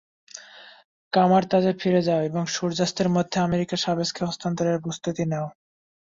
কামার-তাজে ফিরে যাও, এবং সূর্যাস্তের মধ্যে আমেরিকা শাভেজকে হস্তান্তরের প্রস্তুতি নেও।